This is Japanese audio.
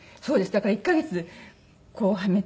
だから１カ月こうはめて。